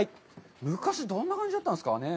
昔、どんな感じだったんですかね？